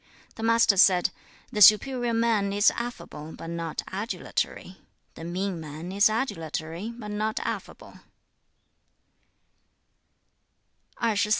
The Master said, 'The superior man is affable, but not adulatory; the mean man is adulatory, but not affable.'